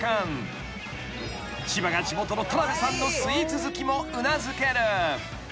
［千葉が地元の田辺さんのスイーツ好きもうなずける］